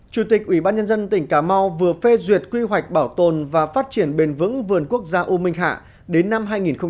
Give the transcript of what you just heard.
chủ tịch ủy ban nhân dân tỉnh cà mau vừa phê duyệt quy hoạch bảo tồn và phát triển bền vững vườn quốc gia u minh hạ đến năm hai nghìn ba mươi